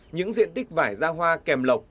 những diện tích vải ra hoa kèm lọc